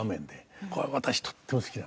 これは私とっても好きなんです。